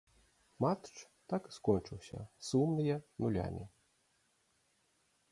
Матч так і скончыўся сумныя нулямі.